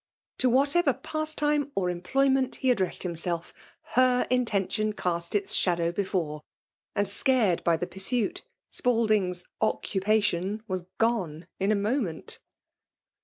To whatever pastime or employment he addressed himself, her intention cast its shadow before ; and, scared by the pur suitj Spalding*s occupation " was " gone " in a moment